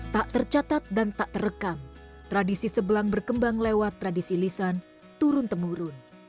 tak tercatat dan tak terekam tradisi sebelang berkembang lewat tradisi lisan turun temurun